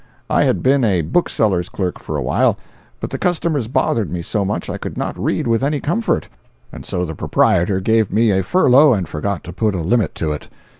I had been a bookseller's clerk for awhile, but the customers bothered me so much I could not read with any comfort, and so the proprietor gave me a furlough and forgot to put a limit to it.